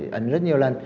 mà phải ẩn rất nhiều lần